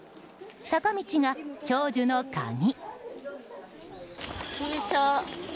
坂道が長寿のカギ。